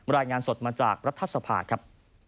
รายงานสดมาจากรัฐสภาครับ